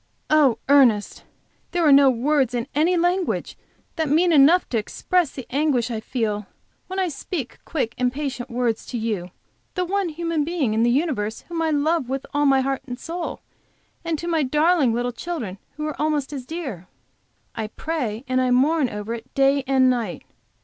"Oh, Ernest! there are no words in any language that mean enough to express the anguish I feel when I speak quick, impatient words to you, the one human being in the universe whom I love with all my heart and soul, and to my darling little children who are almost as dear! I pray and mourn over it day and night.